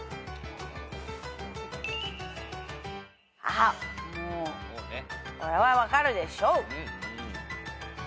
あっもうこれは分かるでしょう。